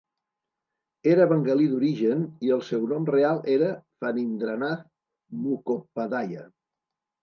Era bengalí d'origen i el seu nom real era Fanindranath Mukhopadhaya.